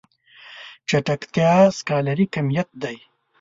چټکتيا سکالري کميت دی.